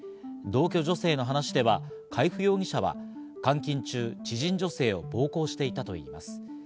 同居女性の話では海部容疑者は監禁中、知人女性を暴行していたといいます。